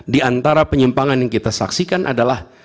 di antara penyimpangan yang kita saksikan adalah